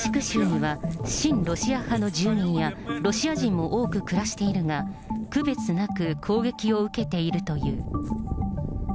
州には、親ロシア派の住民やロシア人も多く暮らしているが、区別なく、攻撃を受けているという。